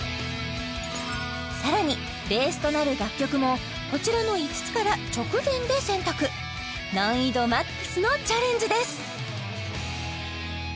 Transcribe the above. さらにベースとなる楽曲もこちらの５つから直前で選択難易度ＭＡＸのチャレンジです